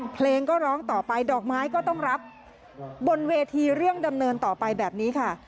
เพลงก็ร้องต่อไปดอกไม้ก็ต้องรับบนเวทีเรื่องดำเนินต่อไปแบบนี้ค่ะ